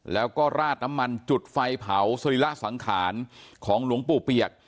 แล้วก็ราดน้ำมันจุดไฟเผาสรีระสังขารของหลวงปู่เปียก